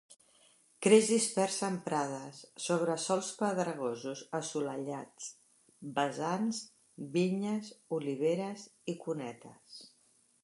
Creix dispersa en prades, sobre sòls pedregosos assolellats, vessants, vinyes, oliveres i cunetes.